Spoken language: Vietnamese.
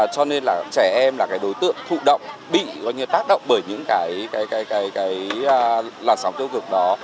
cho nên là trẻ em là cái đối tượng thụ động bị gọi như tác động bởi những cái làn sóng tiêu cực đó